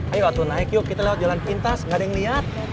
ayo waktu naik yuk kita lewat jalan pintas gak ada yang lihat